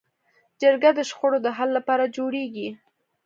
جرګه د شخړو د حل لپاره جوړېږي